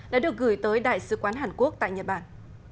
đã được gửi tới đại sứ quán hàn quốc tại nhật bản